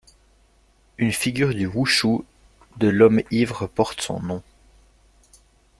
Une figure du wushu de l’homme ivre porte son nom.